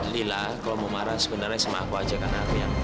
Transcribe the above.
lila kalau mau marah sebenarnya sama aku aja kan artian